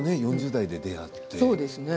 ４０代で出会って。